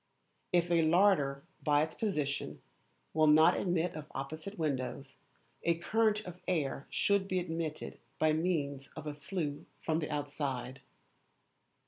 If a larder, by its position, will not admit of opposite windows, a current of air should be admitted by means of a flue from the outside.